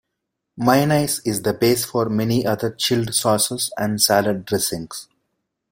Mayonnaise is the base for many other chilled sauces and salad dressings.